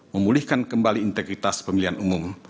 memulihkan kembali integritas pemilihan umum